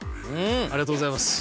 ありがとうございます。